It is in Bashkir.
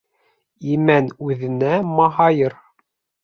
Имән үҙенә маһайыр.